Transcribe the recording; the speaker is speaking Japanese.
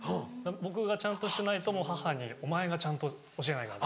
僕がちゃんとしてないともう母に「お前がちゃんと教えないから」。